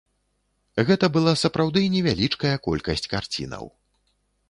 Гэта была сапраўды невялічкая колькасць карцінаў.